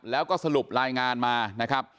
แล้วก็สรุปรายงานมานะครับ